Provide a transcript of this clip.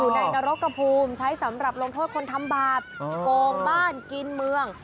ในนรกกระภูมิใช้สำหรับลงโทษคนทำบาปโกงบ้านกินเมือง